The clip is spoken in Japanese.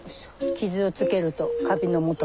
傷をつけるとカビのもと。